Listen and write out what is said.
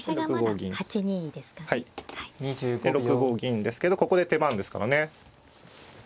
で６五銀ですけどここで手番ですからね。